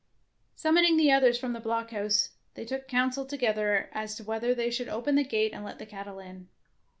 Summoning the others from the blockhouse, they took counsel to gether as to whether they should open the gate and let the cattle in.